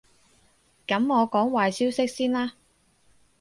噉我講壞消息先啦